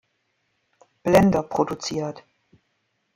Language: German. Blender produziert.